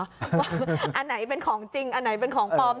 อันไหนเป็นของจริงอันไหนเป็นของปลอม